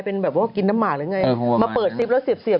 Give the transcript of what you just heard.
เป็นแบบว่ากินน้ำหมากหรือไงมาเปิดซิปแล้วเสียบ